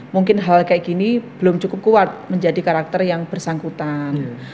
mungkin hal kayak gini belum cukup kuat menjadi karakter yang bersangkutan